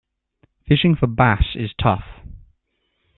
Fishing for bass is tough.